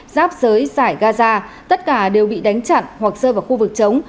giáp giới giải gaza tất cả đều bị đánh chặn hoặc rơi vào khu vực chống